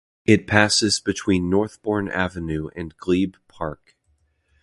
It passes between Northbourne Avenue and Glebe Park.